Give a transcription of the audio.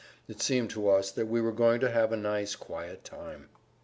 It seemed to us that we were going to have a nice quiet time.